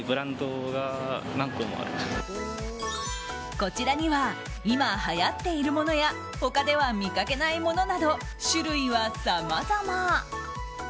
こちらには今はやっているものや他では見かけないものなど種類はさまざま。